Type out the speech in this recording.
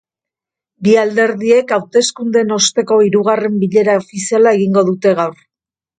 Bi alderdiek hauteskundeen osteko hirugarren bilera ofiziala egingo dute gaur.